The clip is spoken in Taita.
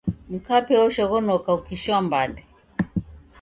Mkape oshoghonoka ukishoa mbande.